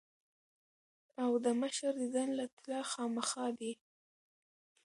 او د مشر ديدن له تلۀ خامخه دي ـ